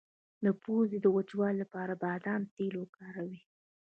د پوزې د وچوالي لپاره د بادام تېل وکاروئ